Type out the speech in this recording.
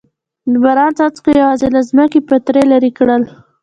د باران څاڅکو یوازې له ځمکې پتري لرې کړل.